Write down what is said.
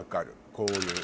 こういう。